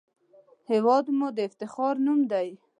هېواد مو د افتخار نوم دی